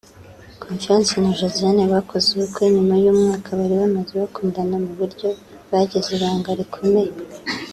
Confiance na Josiane bakoze ubukwe nyuma y’umwaka bari bamaze bakundana mu buryo bagize ibanga rikomeye